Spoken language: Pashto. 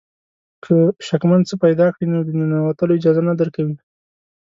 که شکمن څه پیدا کړي نو د ننوتلو اجازه نه درکوي.